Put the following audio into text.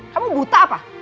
kamu buta apa